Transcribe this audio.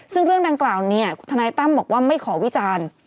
ซึ่งเรื่องดังกล่าวเนี่ยทนายตั้มบอกว่าไม่ขอวิจารณ์